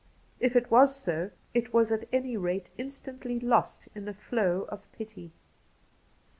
If it was so, it was at any rate instantly lost in a flow of pity.